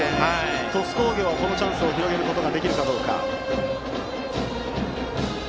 鳥栖工業はこのチャンスを広げることができるかどうか。